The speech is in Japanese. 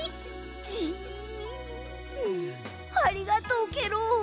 ジンありがとうケロ。